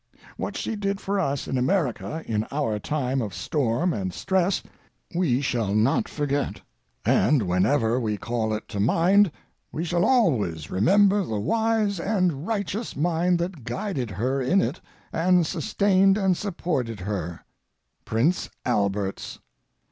What she did for us in America in our time of storm and stress we shall not forget, and whenever we call it to mind we shall always remember the wise and righteous mind that guided her in it and sustained and supported her—Prince Albert's.